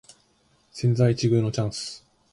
千載一遇のチャンス